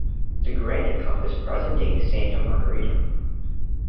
The grant encompassed present day Santa Margarita.